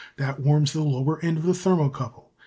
That warms the lower end of the thermo couple.